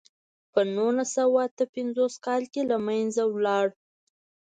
په نولس سوه اته پنځوس کال کې له منځه لاړ.